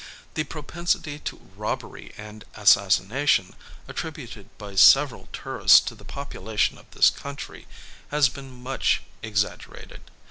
The propensity to robbery and assassination, attributed by several tourists to the population of this country, has been much exaggerated.